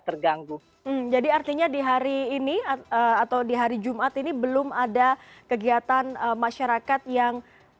terganggu jadi artinya di hari ini atau di hari jumat ini belum ada kegiatan masyarakat yang